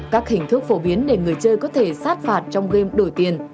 các hình thức phổ biến để người chơi có thể sát phạt trong game đổi tiền